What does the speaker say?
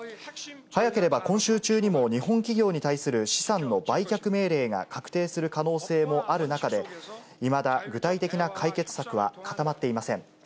早ければ今週中にも、日本企業に対する資産の売却命令が確定する可能性もある中で、いまだ具体的な解決策は固まっていません。